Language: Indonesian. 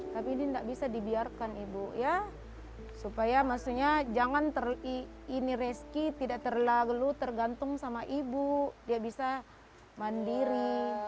tapi ini tidak bisa dibiarkan ibu ya supaya maksudnya jangan ini reski tidak terlalu tergantung sama ibu dia bisa mandiri